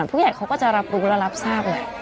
ผู้ใหญ่เขาก็จะรับรู้และรับทราบแหละ